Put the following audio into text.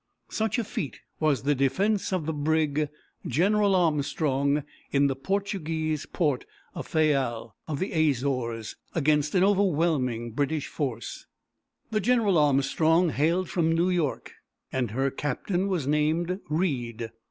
Such a feat was the defense of the brig General Armstrong, in the Portuguese port of Fayal, of the Azores, against an overwhelming British force. The General Armstrong hailed from New York, and her captain was named Reid.